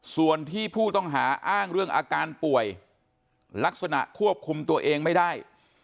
ส่วนที่ผู้ต้องหาอ้างเรื่องอาการป่วยลักษณะควบคุมตัวเองไม่ได้